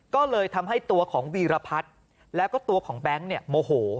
ก็เลยทำให้ตัวของวีรพัฒน์แล้วก็ตัวของแบงค์เนี่ยโมโห